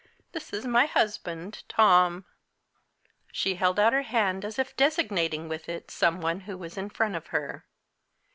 This is my husband Tom." She held out her hand, as if designating with it some one who was in front of her.